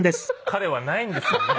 彼はないんですよね。